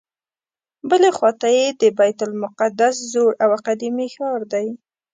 بلې خواته یې د بیت المقدس زوړ او قدیمي ښار دی.